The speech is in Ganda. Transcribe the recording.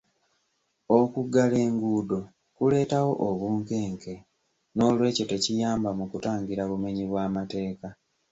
Okuggala enguudo kuleetawo obunkenke n'olwekyo tekiyamba mu kutangira bumenyi bw'amateeka.